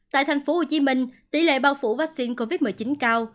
tại thành phố hồ chí minh tỷ lệ bao phủ vaccine covid một mươi chín cao